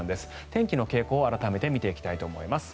天気の傾向を改めて見ていきたいと思います。